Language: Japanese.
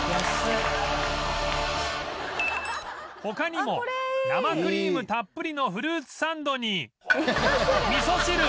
他にも生クリームたっぷりのフルーツサンドに味噌汁